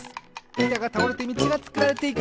いたがたおれてみちがつくられていく！